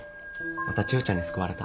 また千代ちゃんに救われた。